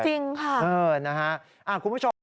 จริงค่ะ